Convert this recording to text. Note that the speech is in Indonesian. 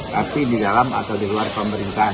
tapi di dalam atau di luar pemerintahan